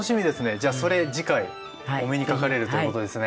じゃあそれ次回お目にかかれるということですね。